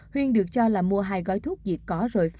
huyên được cho là mua hai gói thuốc diệt có rồi phá